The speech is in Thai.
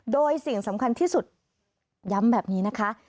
โดยสิ่งสำคัญที่สุดย้ำแบบนี้นะคะ